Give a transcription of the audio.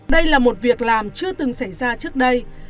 đây là một việc làm chưa từng xảy ra trước đây